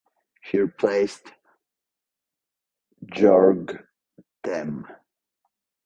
He replaced Georg Tamm.